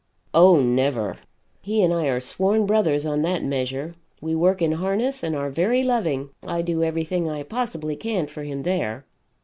"Oh, never; he and I are sworn brothers on that measure; we work in harness and are very loving I do everything I possibly can for him there.